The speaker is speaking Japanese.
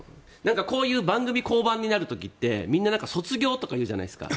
こういう番組降板になる時ってみんな、卒業って言うじゃないですか。